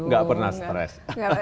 enggak pernah stress